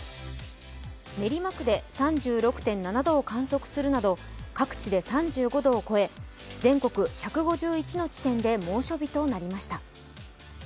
練馬区で３６．７度を観測するなど、各地で３５度を超え全国１５１の地点で猛暑日となりました。